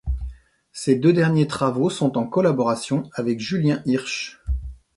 Ces deux derniers travaux sont en collaboration avec Julien Hirsch.